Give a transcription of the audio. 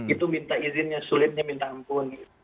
itu minta izinnya sulitnya minta ampun